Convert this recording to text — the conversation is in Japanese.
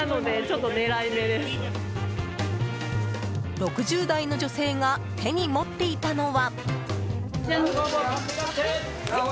６０代の女性が手に持っていたのは。